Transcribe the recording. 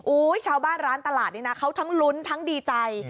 ชาวบ้านร้านตลาดนี้นะเขาทั้งลุ้นทั้งดีใจ